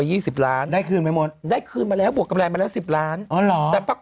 อึกอึกอึกอึกอึกอึกอึก